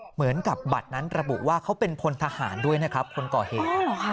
เหมือนกับบัตรนั้นระบุว่าเขาเป็นพลทหารด้วยนะครับคนก่อเหตุ